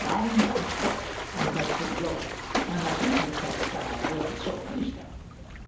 Round and Crook in Bedford Row, and that he could attend at that hour if it so pleased him.